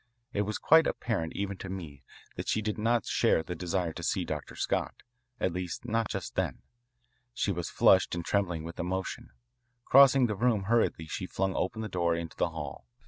It was quite apparent even to me that she did not share the desire to see Dr. Scott, at least not just then. She was flushed and trembling with emotion. Crossing the room hurriedly she flung open the door into the hall.